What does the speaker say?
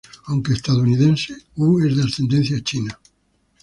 Aunque estadounidense, Hu es de ascendencia china.